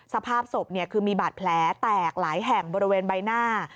สภาพศพคือมีบาดแผลแตกหลายแห่งบริเวณใบหน้า